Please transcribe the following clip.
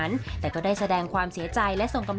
เราก็จะมีความรู้สึกเรื่องของความสูญเสียอยู่บ้างนะครับ